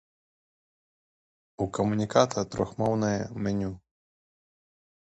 У камуніката трохмоўнае меню.